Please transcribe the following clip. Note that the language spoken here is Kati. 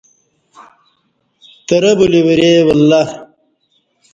ترہ بلی ورے ولہ